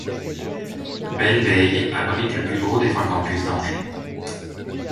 Belle-Beille abrite le plus gros des trois campus d’Angers.